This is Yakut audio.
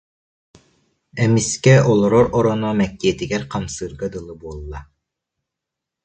Эмискэ олорор ороно мэктиэтигэр хамсыырга дылы буолла